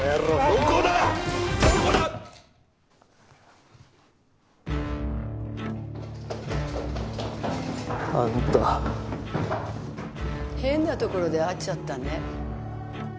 どこだあんた変なところで会っちゃったね